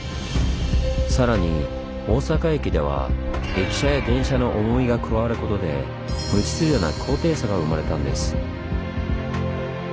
さらに大阪駅では駅舎や電車の重みが加わることで無秩序な高低差が生まれたんです。